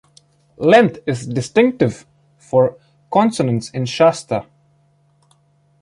Length is distinctive for consonants in Shasta.